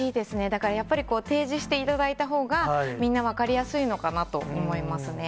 だからやっぱり提示していただいたほうが、みんな分かりやすいのかなと思いますね。